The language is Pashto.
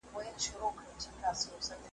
نه به په خولو کي نه به په زړه یم.